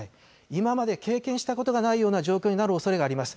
今まで経験したことがないような状況になるおそれがあります。